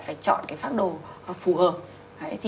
phải chọn cái phác đồ phù hợp